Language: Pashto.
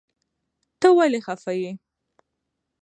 ته ولي خفه يي